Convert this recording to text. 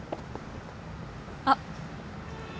あっ。